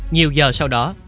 nhiều giờ sau đó